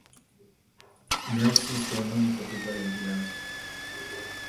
No existe un único tipo de vigilancia.